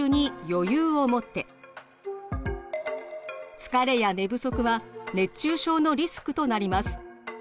疲れや寝不足は熱中症のリスクとなります。